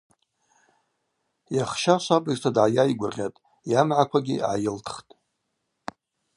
Йахща швабыжта дгӏайайгвыргъьатӏ, йамгӏаквагьи гӏайылтхтӏ.